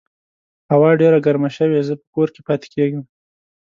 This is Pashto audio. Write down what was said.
هوا ډېره ګرمه شوې، زه په کور کې پاتې کیږم